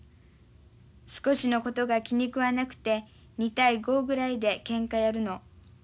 少しのことが気に食わなくて２対５ぐらいでけんかやるの。